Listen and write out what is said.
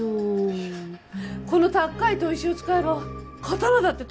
この高い砥石を使えば刀だって研げるわよ。